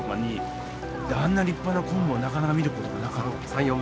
あんな立派なコンブはなかなか見ることがなかったんです。